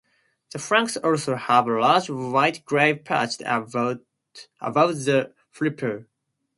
The flanks also have a large white-grey patch above the flipper.